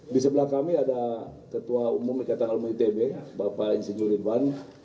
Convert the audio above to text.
di sebelah kami ada ketua umum meketanggal menit tb bapak insin yuli iban